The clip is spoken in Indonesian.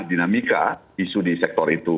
dinamika isu di sektor itu